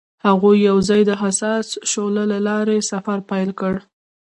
هغوی یوځای د حساس شعله له لارې سفر پیل کړ.